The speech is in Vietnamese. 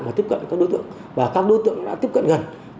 và tiếp cận với các đối tượng